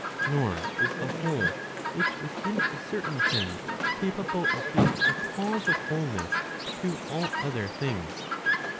Nor is the whole which is in a certain thing capable of being the cause of wholeness to all other things.